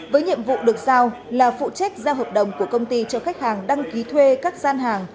với nhiệm vụ được giao là phụ trách giao hợp đồng của công ty cho khách hàng đăng ký thuê các gian hàng